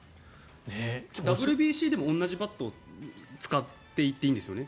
ＷＢＣでも同じバットを使っていていいんですよね？